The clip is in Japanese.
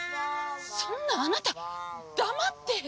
そんなあなた黙って！